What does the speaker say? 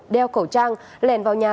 đeo khẩu trang lèn vào nhà